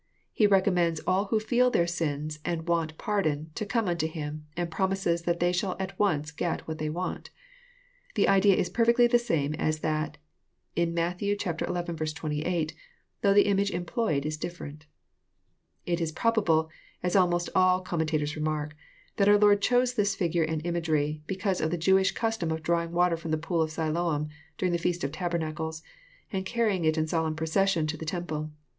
He recommends all who feel their sins and want pardon, to come unto Him, and promises that they shall at once get what they want. The idea is precisely the same as that in Matt. xL 28, though the image employed is different. It is probable, as almost all commentators remark, that our Lord chose this figure and imagery, because of the Jewish cus tom of drawing water from the pool of Siloam during the feast of tabernacles, and carrying it in solemn procession to the tem ple.